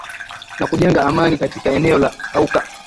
na kujenga amani katika eneo la Cauca